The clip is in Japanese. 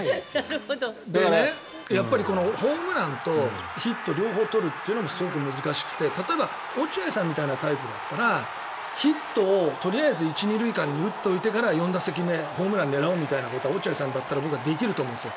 やっぱりホームランとヒット両方取るっていうのもすごく難しくて例えば落合さんみたいなタイプだったらヒットをとりあえず１・２塁間に打っておいてから４打席目にホームランを狙うっていうことを落合さんだったら僕はできると思うんです。